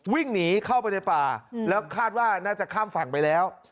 วิ่งหนีเข้าไปในป่าแล้วคาดว่าน่าจะข้ามฝั่งไปแล้ว